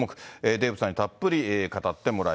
デーブさんにたっぷり語ってもら